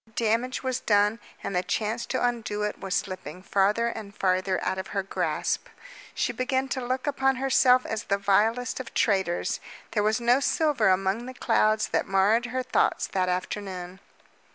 The damage was done, and the chance to undo it was slipping farther and farther out of her grasp. She began to look upon herself as the vilest of traitors. There was no silver among the clouds that marred her thoughts that afternoon.